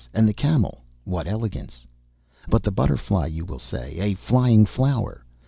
And the camel, what elegance! But, the butterfly you will say, a flying flower!